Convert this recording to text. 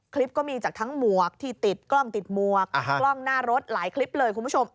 คลิปก็มีจากทั้งหมวกที่ติดกล้องติดหมวกกล้องหน้ารถหลายคลิปเลยคุณผู้ชม